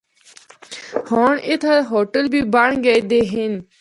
ہونڑ اِتھا ہوٹل بھی بنڑ گئے دے ہن۔